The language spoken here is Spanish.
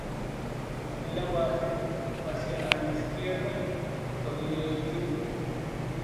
En la base hacia al izquierda tornillo del trípode.